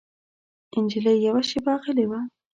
نجلۍ يوه شېبه غلې وه.